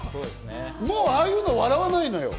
もうああいうの笑わないのよ。